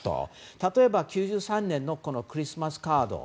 例えば９３年のクリスマスカード。